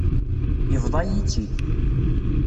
Yebḍa-yi-tt-id.